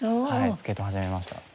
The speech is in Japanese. スケート始めました。